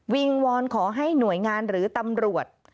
วอนขอให้หน่วยงานหรือตำรวจ